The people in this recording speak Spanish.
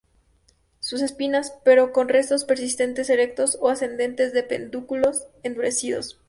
Sin espinas, pero con restos persistentes erectos o ascendentes de pedúnculos endurecidos.